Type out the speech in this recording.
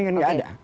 kan gak ada